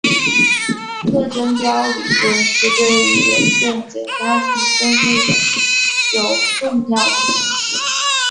特征标理论是对有限简单群分类的一个有重要的工具。